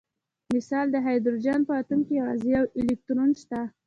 مثلاً د هایدروجن په اتوم کې یوازې یو الکترون شته